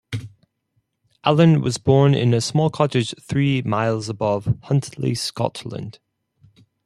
Allan was born in "a small cottage three miles above" Huntly, Scotland.